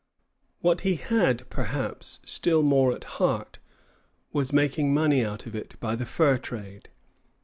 " What he had, perhaps, still more at heart was making money out of it by the fur trade.